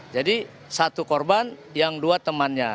jadi satu korban yang dua temannya